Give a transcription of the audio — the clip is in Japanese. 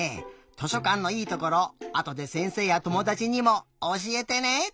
図書かんのいいところあとでせんせいやともだちにもおしえてね！